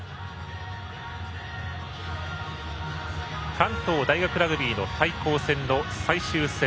関東大学ラグビー対抗戦の最終戦。